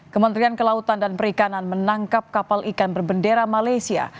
kementerian kelautan dan perikanan menangkap kapal ikan berbendera malaysia